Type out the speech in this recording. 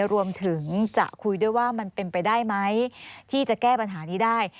รวมถึงจะคุยด้วยว่ามันเป็นไปได้ไหมที่จะแก้ปัญหานี้ได้